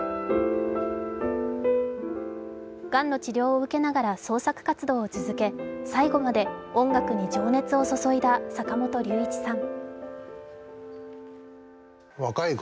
がんの治療を受けながら創作活動を続け最期まで、音楽に情熱を注いだ坂本龍一さん。